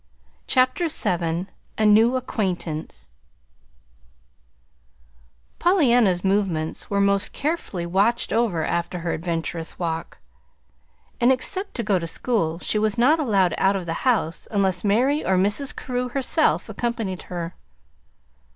CHAPTER VII A NEW ACQUAINTANCE Pollyanna's movements were most carefully watched over after her adventurous walk; and, except to go to school, she was not allowed out of the house unless Mary or Mrs. Carew herself accompanied her.